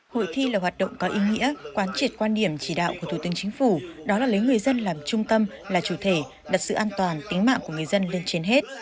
hội thi là hoạt động có ý nghĩa quán triệt quan điểm chỉ đạo của thủ tướng chính phủ đó là lấy người dân làm trung tâm là chủ thể đặt sự an toàn tính mạng của người dân lên trên hết